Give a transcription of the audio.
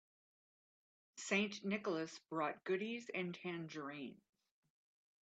St. Nicholas brought goodies and tangerines.